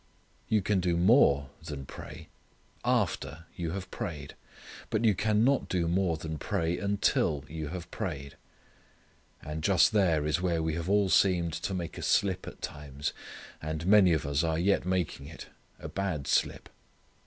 You can do _more _ than pray, after you have prayed. But you can not do more than pray until you have prayed. And just there is where we have all seemed to make a slip at times, and many of us are yet making it a bad slip.